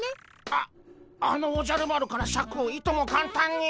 ああのおじゃる丸からシャクをいともかんたんに。